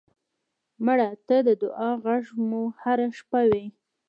مړه ته د دعا غږ مو هر شپه وي